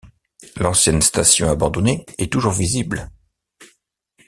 L'ancienne station abandonnée est toujours visible.